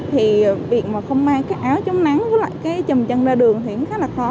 thì việc mà không mang cái áo chống nắng với lại cái trầm chân ra đường thì cũng khá là khó